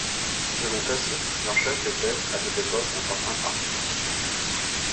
Selon Tacite, leur chef était, à cette époque, un certain Arpus.